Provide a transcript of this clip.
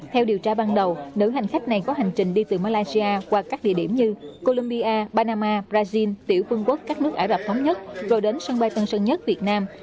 theo điều tra ban đầu nữ hành khách này có hành trình đi từ malaysia qua các địa điểm như colombia banama brazil tiểu vương quốc các nước ả rập thống nhất rồi đến sân bay tân sơn nhất việt nam